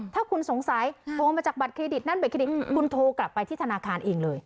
ถ้าคุณสงสัยโทรมาจากบัตรเครดิตนั้นบัตเครดิตคุณโทรกลับไปที่ธนาคารเองเลย